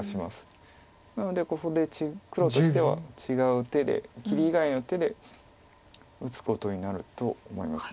なのでここで黒としては違う手で切り以外の手で打つことになると思います。